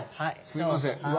すいません。